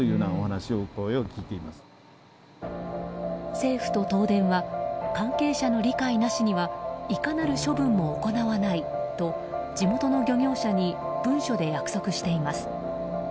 政府と東電は関係者の理解なしにはいかなる処分も行わないと地元の漁業者に文書で約束しています。